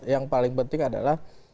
yang paling penting adalah